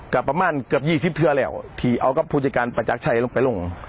ก็ประมาณเกือบ๒๐เทือแล้วที่เอากับผู้จัดการประจักรชัยลงไปลง